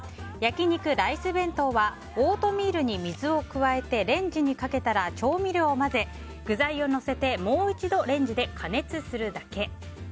焼き肉ライス弁当はオートミールに水を加えてレンジにかけたら調味料を混ぜ、具材をのせてもう一度レンジで加熱するだけ。